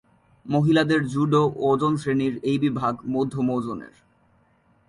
মহিলাদের জুডো ওজন শ্রেণীর এই বিভাগ মধ্যম ওজনের।